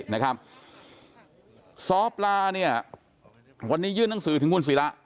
นะครับซ้อปลาเนี่ยวันนี้ยื่นหนังสือถึงคุณศิระ